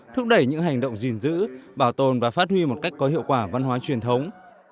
thúc đẩy những hành động gìn giữ bảo tồn và phát huy một cách có hiệu quả văn hóa truyền thống